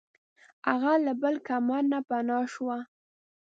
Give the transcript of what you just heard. هغه له بل کمر نه پناه شوه.